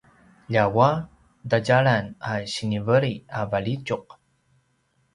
ljawua tadjalan a siniveli a valjitjuq